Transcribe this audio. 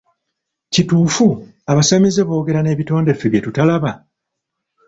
Kituufu abasamize boogera n'ebitonde ffe bye tutalaba?